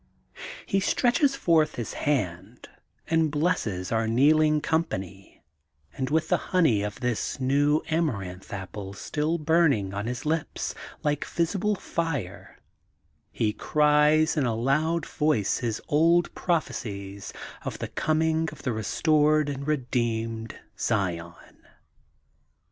He stretches forth his hand and blesses our kneeling company and, with the THE GOLDEN BOOK OF SPRINGFIELD 321 honey of this new Amaranth Flower still burning on his lips, like visible fire, he cries in a loud voice his old prophecies of the com ing of the restored and redeemed Zion.